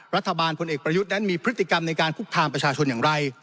พลเอกประยุทธ์นั้นมีพฤติกรรมในการคุกคามประชาชนอย่างไร